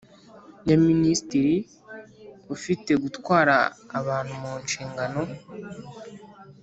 ya Minisitiri ufite gutwara abantu mu nshingano